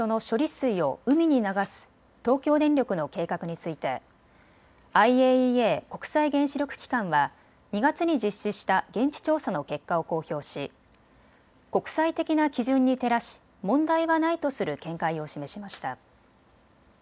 水を海に流す東京電力の計画についてＩＡＥＡ・国際原子力機関は２月に実施した現地調査の結果を公表し国際的な基準に照らし、問題はないとする見解を示しました。